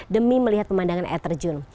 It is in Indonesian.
demi melihat pemandangan air terjun